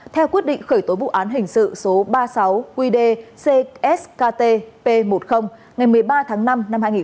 theo quyết định khởi tố vụ án hình sự số ba mươi sáu qd ckt p một mươi ngày một mươi ba tháng năm năm hai nghìn một mươi ba